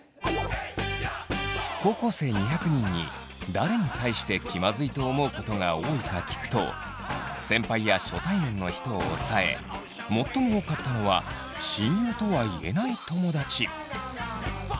高校生２００人に誰に対して気まずいと思うことが多いか聞くと先輩や初対面の人を抑え最も多かったのは親友とは言えない友だち。